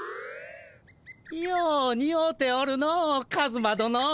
ようにおうておるのカズマどの。